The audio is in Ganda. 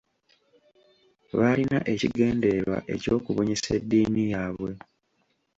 Baalina ekigendererwa eky’okubunyisa eddiini yaabwe.